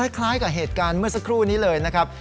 คล้ายกับเหตุการณ์เมื่อสักครู่นี้เลยนะครับ